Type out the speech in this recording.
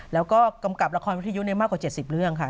แล้วก็กำกับละครวิทยุมากกว่า๗๐เรื่องค่ะ